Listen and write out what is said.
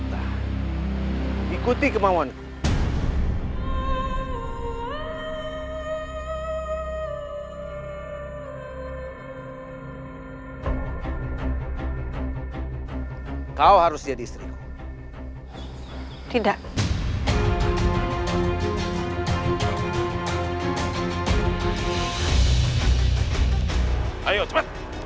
siirmu tidak akan bisa menyelamatkanmu